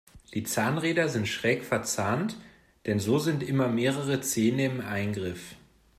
Die Zahnräder sind schräg verzahnt, denn so sind immer mehrere Zähne im Eingriff.